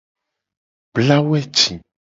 Bla weci.